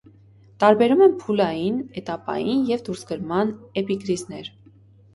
Տարբերում են փուլային (էտապային) և դուրսգրման էպիկրիզներ։